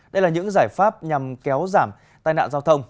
đây là những giải pháp nhằm kéo giảm tai nạn giao thông